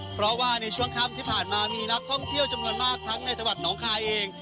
เพราะว่าในช่วงค่ำที่ผ่านมามีนักท่องเที่ยวจำนวนมากทั้งในจังหวัดหนองคายเอง